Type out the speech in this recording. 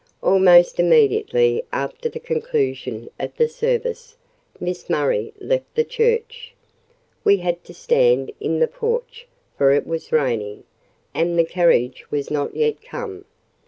Almost immediately after the conclusion of the service, Miss Murray left the church. We had to stand in the porch, for it was raining, and the carriage was not yet come.